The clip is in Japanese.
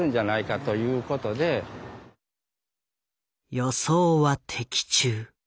予想は的中。